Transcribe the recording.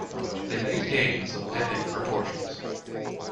They made gains of epic proportions.